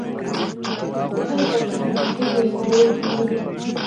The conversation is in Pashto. د هغې په تن نخي پېښورۍ جامې وې